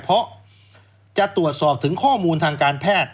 เพราะจะตรวจสอบถึงข้อมูลทางการแพทย์